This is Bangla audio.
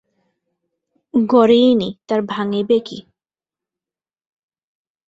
গড়েই নি, তার ভাঙিবে কী।